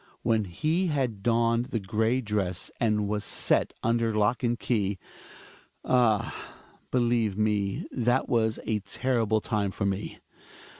When he had donned the gray dress, and was set under lock and key — ah ! believe me that was a terrible time for me.